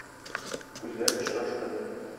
Күзләр очрашты.